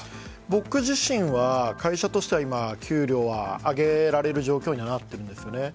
僕自身は会社としては今、給料は上げられる状況になっているんです。